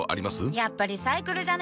やっぱリサイクルじゃね？